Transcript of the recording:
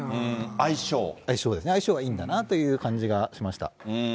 相性が、相性がいいんだなという感じがしました。